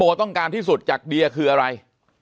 โม่ยังอยู่นะครับ